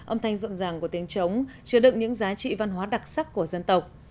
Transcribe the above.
âm thanh rộng ràng của tình trống chứa đựng những giá trị văn hóa đặc sắc của dân tộc